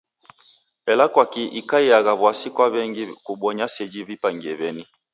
Ela kwaki ikaiagha w'asi kwa w'engi kubonya seji w'ipangie w'eni?